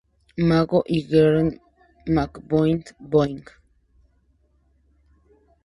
Magoo y Gerald McBoing-Boing.